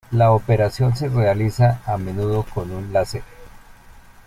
La operación se realiza a menudo con un láser.